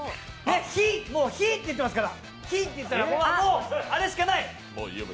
「ひ」って言ってますから「ひ」って言ったらあれしかない。